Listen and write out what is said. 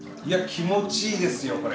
いや気持ちいいですよ